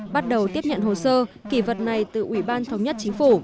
bắt đầu tiếp nhận hồ sơ kỷ vật này từ ubnd